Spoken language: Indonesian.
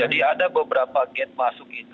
jadi ada beberapa gate masuk itu